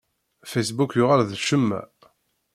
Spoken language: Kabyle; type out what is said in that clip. Facebook yuɣal d ccemma.